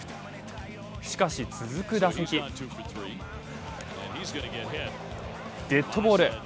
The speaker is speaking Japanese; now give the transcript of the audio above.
しかし続く打席デッドボール。